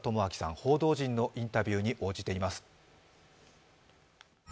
報道陣のインタビューに応じています。